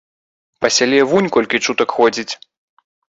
Па сяле вунь колькі чутак ходзіць.